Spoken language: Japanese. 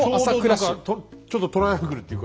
ちょうど何かちょっとトライアングルっていうか。